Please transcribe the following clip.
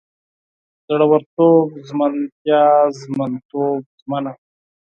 زړورتوب، ژمنتیا، ژمنتوب، ژمنه